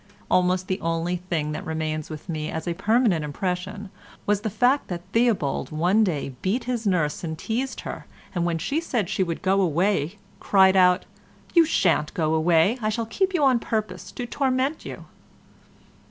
Almost the only thing that remains with me as a permanent impression was the fact that Theobald one day beat his nurse and teased her, and when she said she should go away cried out, "You shan't go away—I'll keep you on purpose to torment you."